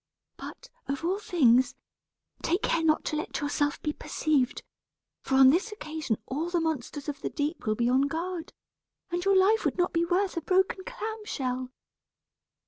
But, of all things, take care not to let yourself be perceived, for on this occasion all the monsters of the deep will be on guard, and your life would not be worth a broken clam shell."